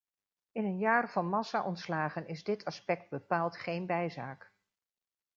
In een jaar van massaontslagen is dit aspect bepaald geen bijzaak.